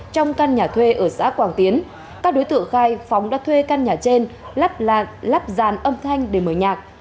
trong căn nhà thuê ở xã quảng tiến các đối tượng khai phóng đã thuê căn nhà trên lắp rán âm thanh để mở nhạc